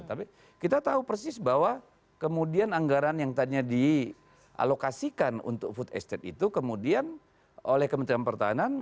tapi kita tahu persis bahwa kemudian anggaran yang tadinya dialokasikan untuk food estate itu kemudian oleh kementerian pertahanan